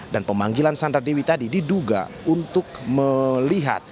dan pemanggilan sandra dewi tadi diduga untuk melihat